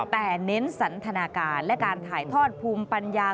แต่เน้นสันทนาการและการถ่ายทอดภูมิปัญญา